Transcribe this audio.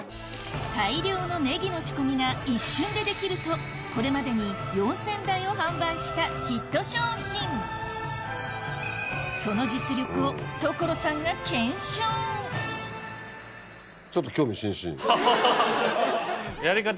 大量のネギの仕込みが一瞬でできるとこれまでにヒット商品その実力を所さんが検証やり方